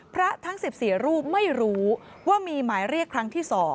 ทั้ง๑๔รูปไม่รู้ว่ามีหมายเรียกครั้งที่๒